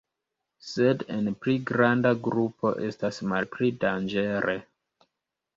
Sed en pli granda grupo estas malpli danĝere.